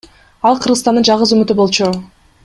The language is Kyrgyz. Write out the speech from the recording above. Ал Кыргызстандын жалгыз үмүтү болчу.